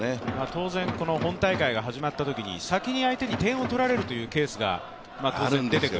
当然本大会が始まったときに先に相手に点を取られるというケースが当然出てくる。